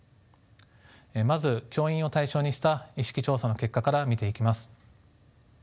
まず教員を対象にした意識調査の結果から見ていきます。